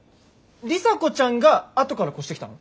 里紗子ちゃんがあとから越してきたの？